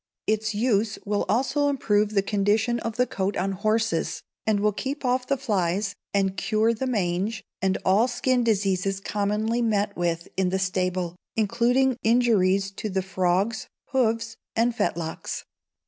Its use will also improve the condition of the coat on horses, and will keep off the flies, and cure the mange, and all skin diseases commonly met with in the stable, including injuries to the frogs, hoofs, and fetlocks.